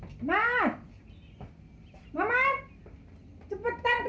hai yang datang ngobrol barengan